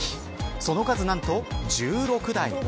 その数何と１６台。